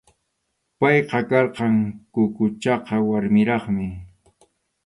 Payqa karqan kʼuku chaka warmiraqmi.